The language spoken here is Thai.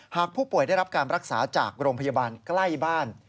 หากผู้ป่วยได้รับการรักษาจากโรงพยาบาลใกล้บ้าน